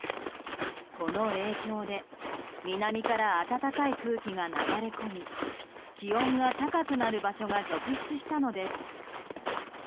この影響で南から暖かい空気が流れ込み気温が高くなる場所が続出したのです。